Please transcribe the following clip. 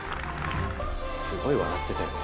すごい笑ってたよね。